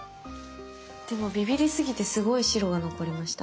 でもビビりすぎてすごい白が残りました。